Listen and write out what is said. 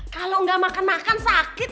kalau nggak makan makan sakit